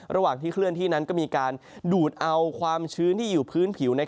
ระหว่างที่เคลื่อนที่นั้นก็มีการดูดเอาความชื้นที่อยู่พื้นผิว